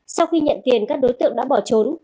sau khi nhận tiền các đối tượng đã bỏ trốn